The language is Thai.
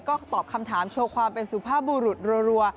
ก็ตอบคำถามโชว์ความเป็นสุภาพบุรุษรัว